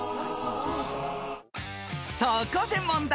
［そこで問題］